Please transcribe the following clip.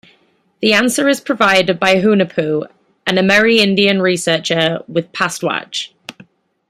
The answer is provided by Hunahpu, an Amerindian researcher with Pastwatch.